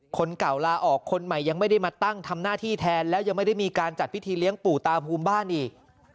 คนเก่าลาออกคนใหม่ยังไม่ได้มาตั้งทำหน้าที่แทนแล้วยังไม่ได้มีการจัดพิธีเลี้ยงปู่ตาภูมิบ้านอีก